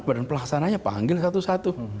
badan pelaksananya panggil satu satu